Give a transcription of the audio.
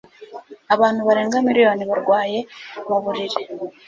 Abantu barenga miliyoni barwaye mu buriri.